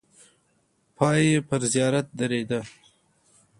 پای یې پر زیارت درېده.